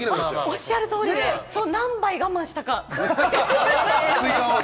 おっしゃる通り！何杯我慢したか！